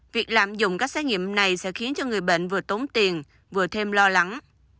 việc lạm dụng các xét nghiệm này sẽ khiến cho người bệnh vừa tốn tiền vừa thêm lo lắng